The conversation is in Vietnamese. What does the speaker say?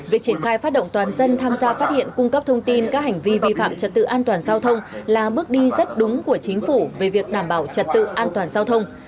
việc triển khai phát động toàn dân tham gia phát hiện cung cấp thông tin các hành vi vi phạm trật tự an toàn giao thông là bước đi rất đúng của chính phủ về việc đảm bảo trật tự an toàn giao thông